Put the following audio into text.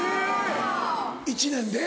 １年で？